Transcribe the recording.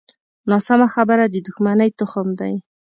ناسمه خبره د دوښمنۍ تخم دی